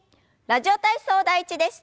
「ラジオ体操第１」です。